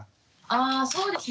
あそうですね